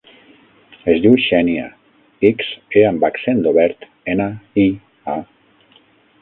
Es diu Xènia: ics, e amb accent obert, ena, i, a.